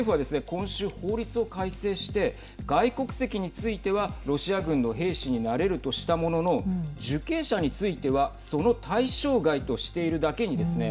今週、法律を改正して外国籍についてはロシア軍の兵士になれるとしたものの受刑者についてはその対象外としているだけにですね